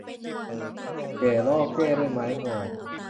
แหย่ล่อแก่ด้วยไม้งอ